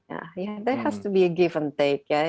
ya itu harus diberikan dan diambil